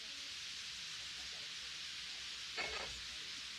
یو بل کس هم ګاډۍ ته را پورته شو.